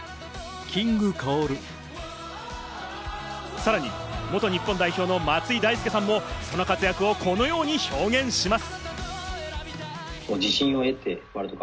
さらに元日本代表の松井大輔さんもその活躍をこのように表現します。